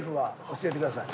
教えてください。